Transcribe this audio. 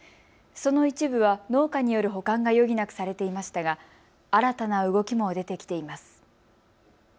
その一部は農家による保管が余儀なくされていましたが新たな動きも出てきています。